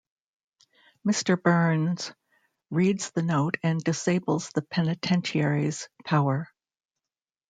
Mr. Burns reads the note and disables the penitentiary's power.